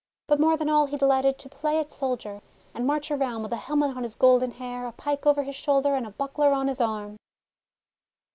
But more than all he delighted to play at soldier, and march around with a helmet on his golden hair, a pike over his shoulder, and a buckler on his arm.